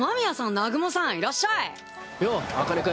南雲さんいらっしゃいよう茜君。